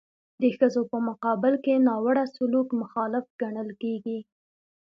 د ښځو په مقابل کې ناوړه سلوک مخالف ګڼل کیږي.